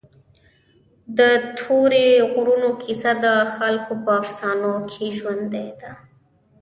د تورې غرونو کیسه د خلکو په افسانو کې ژوندۍ ده.